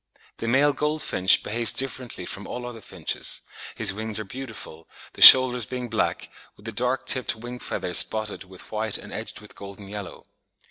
The male goldfinch behaves differently from all other finches: his wings are beautiful, the shoulders being black, with the dark tipped wing feathers spotted with white and edged with golden yellow.